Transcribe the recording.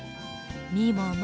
みもも。